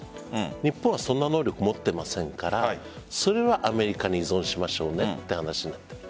日本はそんな能力を持っていませんからそれはアメリカに依存しましょうねという話になっている。